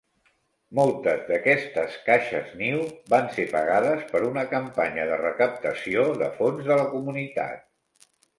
Moltes d'aquestes caixes niu van ser pagades per una campanya de recaptació de fons de la comunitat.